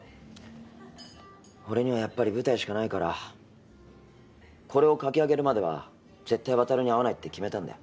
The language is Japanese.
俺にはやっぱり舞台しかないからこれを書き上げるまでは絶対渉に会わないって決めたんだよ。